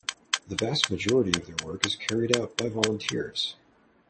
The vast majority of their work is carried out by volunteers.